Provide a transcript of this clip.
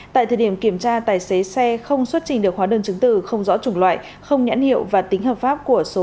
tại thời điểm kiểm tra tài xế xe không xuất trình được hóa đơn chứng từ không rõ chủng loại không nhãn hiệu và tính hợp pháp của số